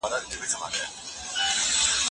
لیکوال به منطقي تسلسل ساتلی وي.